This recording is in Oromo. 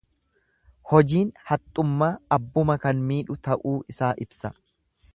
Hojiin haxxummaa abbuma kan miidhu ta'uu isaa ibsa.